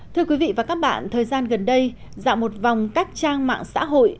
thưa quý vị và các bạn thời gian gần đây dạo một vòng các trang mạng xã hội